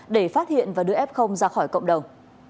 để phát hiện và đưa f ra khỏi cộng đồng